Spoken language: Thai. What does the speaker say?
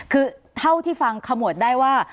คือเท่าที่ฟังขมวดได้ว่า